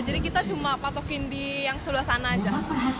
jadi kita cuma patokin di yang seluas sana aja